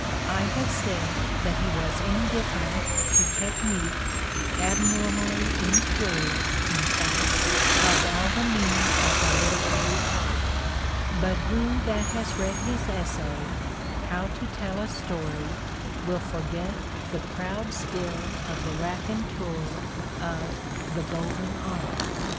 I have said that he was indifferent to technique, abnor mally incurious, in fact, of all the means of the literary art. But who that has read his essay, "How to Tell a Story," will forget the proud skill of the raconteur of "The Golden Arm"?